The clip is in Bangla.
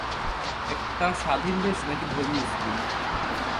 একটা স্বাধীন দেশ নাকি ধর্মীয় স্কুল?